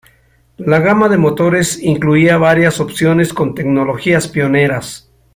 La gama de motores incluía varias opciones con tecnologías pioneras.